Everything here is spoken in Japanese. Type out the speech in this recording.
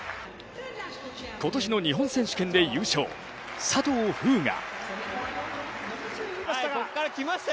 今年の日本選手権で優勝、佐藤風雅。